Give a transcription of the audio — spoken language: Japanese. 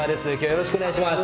よろしくお願いします。